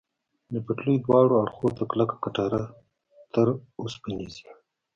د پټلۍ دواړو اړخو ته کلکه کټاره، تر اوسپنیزې.